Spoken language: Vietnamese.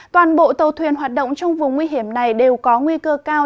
toàn bộ tàu thuyền hoạt động trong vùng nguy hiểm này đều có nguy cơ cao